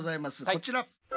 こちら！